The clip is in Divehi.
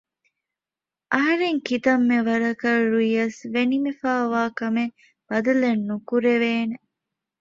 އަހަރެން ކިތަންމެ ވަރަށް ރުޔަސް ވެނިމިފައިވާ ކަމެއް ބަދަލެއް ނުކުރެވޭނެ